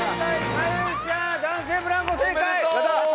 男性ブランコ、正解。